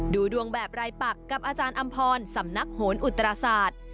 ดูดวงแบบรายปักกับอาจารย์อำพรสำนักโหนอุตราศาสตร์